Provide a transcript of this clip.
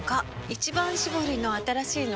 「一番搾り」の新しいの？